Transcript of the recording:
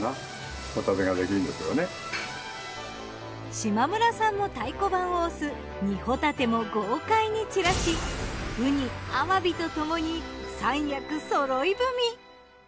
島村さんも太鼓判を押す煮ホタテも豪快にちらしウニあわびとともに三役そろい踏み。